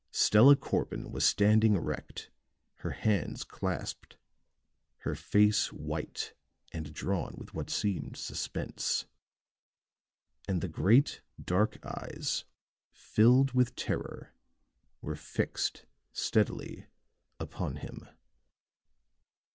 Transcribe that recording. Stella Corbin was standing erect, her hands clasped, her face white and drawn with what seemed suspense; and the great dark eyes, filled with terror, were fixed steadily upon him.